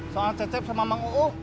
soal cecep sama mang uu